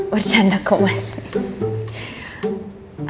bercanda kok masih